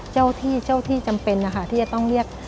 เจ้าที่จำเป็นที่จะต้องเรียก